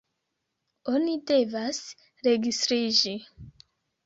Oni devas registriĝi.